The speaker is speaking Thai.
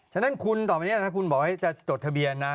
ฉะนั้นคุณต่อไปนี้ถ้าคุณบอกว่าจะจดทะเบียนนะ